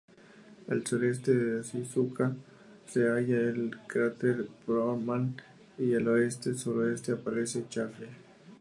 Al sureste de Onizuka se halla el cráter Borman, y al oeste-suroeste aparece Chaffee.